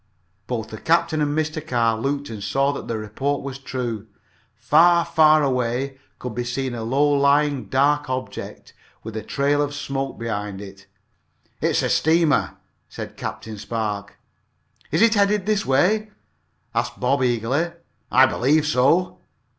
Both the captain and Mr. Carr looked and saw that the report was true. Far, far away could be seen a low lying dark object, with a trail of smoke behind it. "It's a steamer," said Captain Spark. "Is it headed this way?" asked Bob, eagerly. "I believe so."